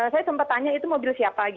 saya sempat tanya itu mobil siapa